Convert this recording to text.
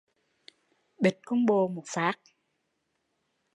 Bịch con bồ một phát